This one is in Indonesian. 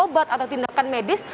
untuk berobat atau tindakan medis